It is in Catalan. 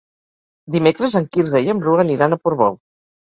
Dimecres en Quirze i en Bru aniran a Portbou.